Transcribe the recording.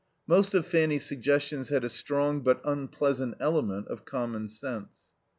Most of Fanny's suggestions had a strong but unpleasant element of common sense.